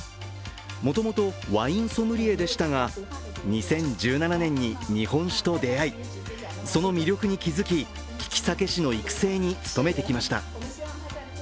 もともとワインソムリエでしたが、２０１７年に日本酒と出会い、その魅力に気づき、きき酒師の育成に努めてきました。